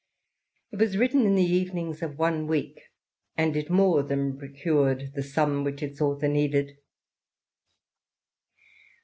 It was written in the evenings of one week, and it more than procured the sum which its author needed.